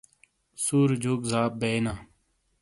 سُوری جُوک زاب بئینا۔